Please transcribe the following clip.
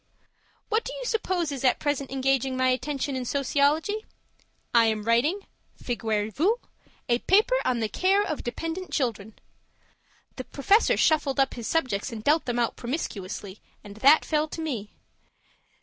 What do you suppose is at present engaging my attention in sociology? I am writing (figurez vous!) a paper on the Care of Dependent Children. The Professor shuffled up his subjects and dealt them out promiscuously, and that fell to me.